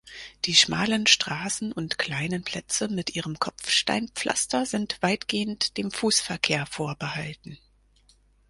Die schmalen Straßen und kleinen Plätze mit ihrem Kopfsteinpflaster sind weitgehend dem Fußverkehr vorbehalten.